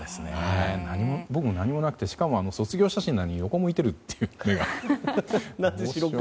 僕も何もなくてしかも卒業写真なのに目が横を向いているという。